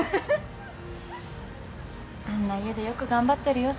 あんな家でよく頑張ってるよ